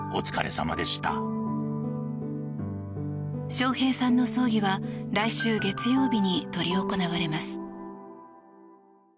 笑瓶さんの葬儀は来週月曜日に執り行われます。